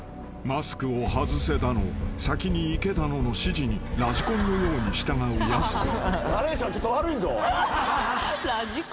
［マスクを外せだの先に行けだのの指示にラジコンのように従うやす子］